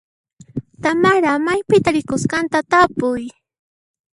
Tamara maypi tarikusqanta tapuy.